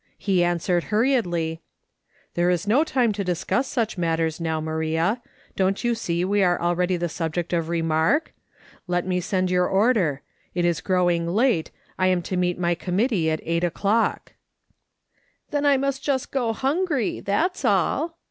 He answered hurriedly :" There is no time to discuss such matters now, Maria. Don't you see we are already the subject of remark ? Let me send your order ; it is growing late. I am to meet my committee at eight o'clock." 240 MRS. SOLOMON SMITH LOOKING ON. "Then I must just go hungry, tliat's all.